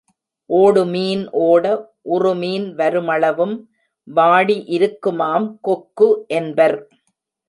ஓடுமீன் ஓட உறுமின் வருமளவும் வாடி இருக்குமாம் கொக்கு என்பர்.